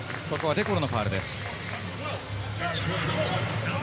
デ・コロのファウルです。